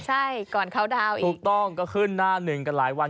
ใช่ก่อนเข้าดาวน์อีกถูกต้องก็ขึ้นหน้าหนึ่งกันหลายวัน